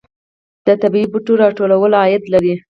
د طبیعي بوټو راټولول عاید لري